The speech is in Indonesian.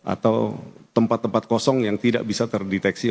atau tempat tempat kosong yang tidak bisa terdeteksi